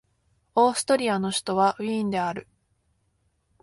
オーストリアの首都はウィーンである